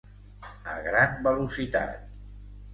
A gran velocitat.